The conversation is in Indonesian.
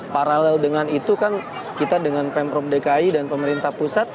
paralel dengan itu kan kita dengan pemprov dki dan pemerintah pusat